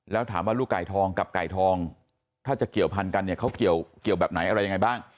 แล้วถามว่าลูกไก่ทองกับไก่ทองถ้าจะเกี่ยวพันกันเนี่ยเขาเกี่ยวแบบไหนอะไรยังไงบ้าง